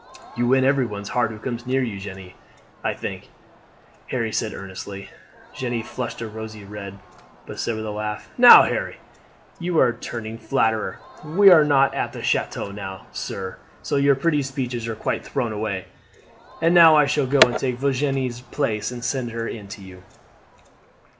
"You win everyone's heart who comes near you, Jeanne, I think," Harry said earnestly. Jeanne flushed a rosy red, but said with a laugh: "Now, Harry, you are turning flatterer. We are not at the chateau now, sir, so your pretty speeches are quite thrown away; and now I shall go and take Virginie's place and send her in to you."